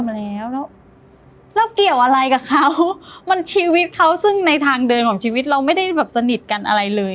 มาแล้วแล้วเกี่ยวอะไรกับเขามันชีวิตเขาซึ่งในทางเดินของชีวิตเราไม่ได้แบบสนิทกันอะไรเลย